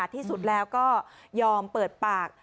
ที่สุดแล้วก็ยอมเปิดปาก